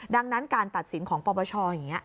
ดังนั้นการตัดสินของปปชอย่างนี้